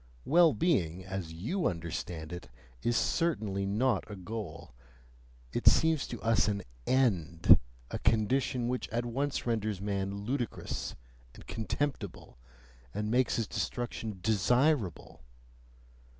Well being, as you understand it is certainly not a goal; it seems to us an END; a condition which at once renders man ludicrous and contemptible and makes his destruction DESIRABLE!